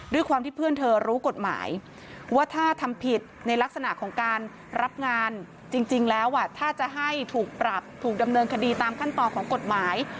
ด้วยความที่เพื่อนเธอรู้กฎหมาย